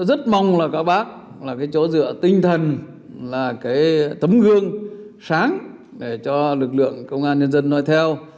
rất mong là các bác là cái chỗ dựa tinh thần là cái tấm gương sáng để cho lực lượng công an nhân dân nói theo